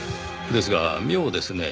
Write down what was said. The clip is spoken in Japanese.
ですが妙ですねぇ。